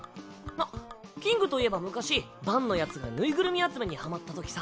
あっキングといえば昔バンのヤツがぬいぐるみ集めにはまったときさ。